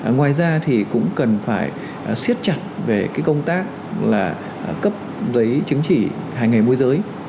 ngoài ra thì cũng cần phải siết chặt về cái công tác là cấp giấy chứng chỉ hành nghề môi giới